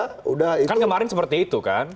kan kemarin seperti itu kan